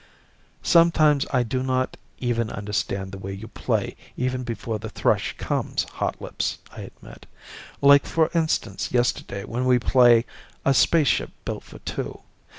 "Sometimes I do not even understand the way you play even before the thrush comes, Hotlips," I admit. "Like for instance yesterday when we play 'A Spaceship Built for Two.'